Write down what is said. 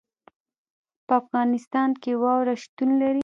په افغانستان کې واوره شتون لري.